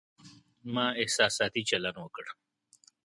ما احساساتي چلند وکړ